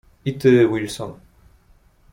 "I ty, Wilson."